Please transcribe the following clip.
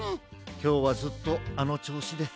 きょうはずっとあのちょうしです。